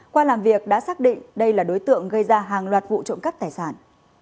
qua làm việc đã xác định đây là đối tượng gây ra hàng loạt vụ trộm cắp tài sản